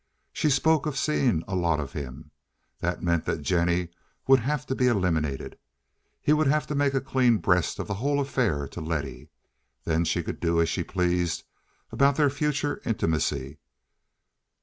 She spoke of seeing a lot of him. That meant that Jennie would have to be eliminated. He would have to make a clean breast of the whole affair to Letty. Then she could do as she pleased about their future intimacy.